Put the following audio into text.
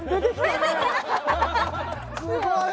すごい！